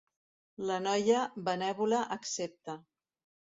La noia, benèvola, accepta.